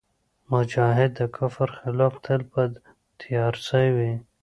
مجاهد د کفر خلاف تل په تیارسئ وي.